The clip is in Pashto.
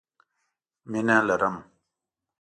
مينه لرم